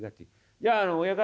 じゃあ親方